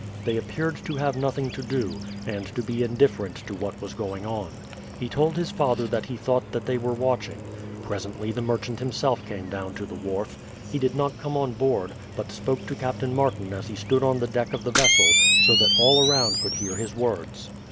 They appeared to have nothing to do, and to be indifferent to what was going on. He told his father that he thought that they were watching. Presently the merchant himself came down to the wharf. He did not come on board, but spoke to Captain Martin as he stood on the deck of the vessel, so that all around could hear his words.